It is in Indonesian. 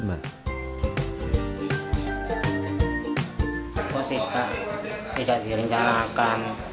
aku tidak direncanakan